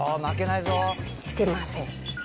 してません。